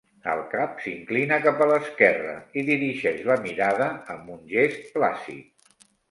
El cap s'inclina cap a l'esquerra i dirigeix la mirada amb un gest plàcid.